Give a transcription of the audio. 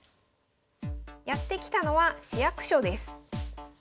やって来たのは市役所です。